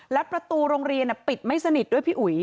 แล้วประตูโรงเรียนปิดไม่สนิทด้วยพี่อุ๋ย